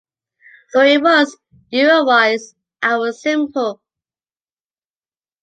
So it was, you were wise, I was simple.